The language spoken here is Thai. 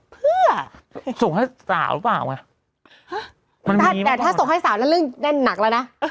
เพื่อส่งให้สาวหรือเปล่าไงแต่ถ้าส่งให้สาวแล้วเรื่องแน่นหนักแล้วนะ